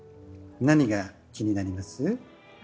何が気になります？